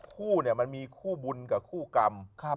คู่เนี่ยมันมีคู่บุญกับคู่กรรม